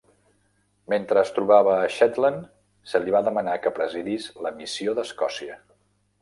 Mentre es trobava a Shetland, se li va demanar que presidís la Missió d'Escòcia.